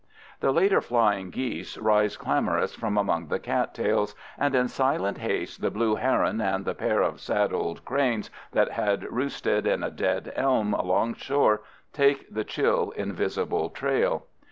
The later flying geese rise clamorous from among the cat tails, and in silent haste the blue heron and the pair of sad old cranes that had roosted in a dead elm alongshore take the chill, invisible trail.